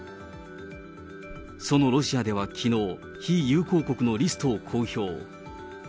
そのロシアではきのう、非友好国のリストを公表。